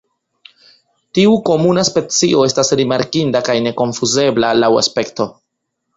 Tiu komuna specio estas rimarkinda kaj nekonfuzebla laŭ aspekto.